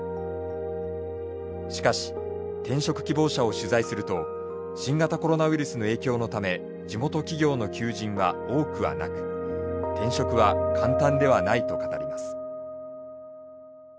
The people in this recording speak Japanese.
しかし転職希望者を取材すると新型コロナウイルスの影響のため地元企業の求人は多くはなく転職は簡単ではないと語ります。